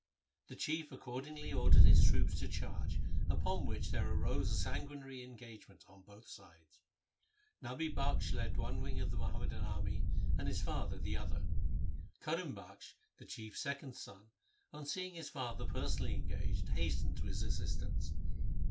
The Chief accordingly ordered his troops to charge, upon which there arose a sanguinary engagement on both sides. Nabi Bakhsh led one wing of the Muhammadan army, and his father the other. Karim Bakhsh, the Chief's second son, on seeing his father personally engaged, hastened to his assistance.